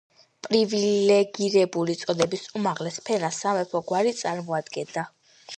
პრივილეგირებული წოდების უმაღლეს ფენას სამეფო გვარი წარმოადგენდა.